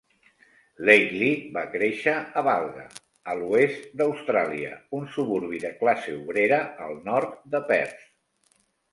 Laidley va créixer a Balga, a l'oest d'Austràlia, un suburbi de classe obrera al nord de Perth.